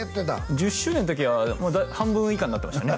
１０周年の時は半分以下になってましたね